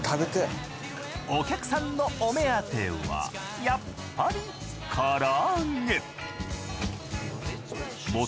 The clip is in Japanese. お客さんのお目当てはやっぱりから揚げ。